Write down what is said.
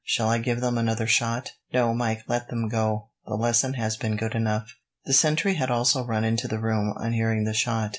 Shall I give them another shot?" "No, Mike; let them go. The lesson has been good enough." The sentry had also run into the room, on hearing the shot.